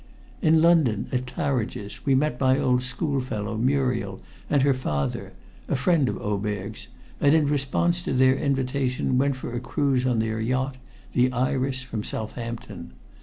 "In London, at Claridge's, we met my old schoolfellow Muriel and her father a friend of Oberg's and in response to their invitation went for a cruise on their yacht, the Iris, from Southampton.